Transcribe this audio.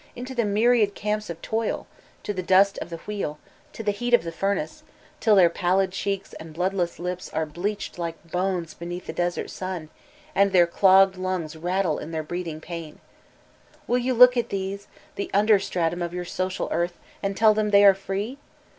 into the myriad camps of toil, to the dust of the wheel, to the heat of the furnace, till their pallid cheeks and Uood less lips are bleached like bones beneath the desert son, and their clogged lungs rattle in their breathing painl Will you look at these, the under stratum of your Mdal earth, and tell them they are free?